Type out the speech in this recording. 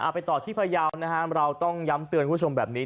ไปต่อที่พยาวนะครับเราต้องย้ำเตือนคุณผู้ชมแบบนี้